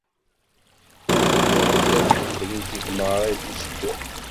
Yuɣ-d ufrik i tmeɣra d-itteddun.